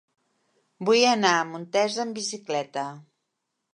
Vull anar a Montesa amb bicicleta.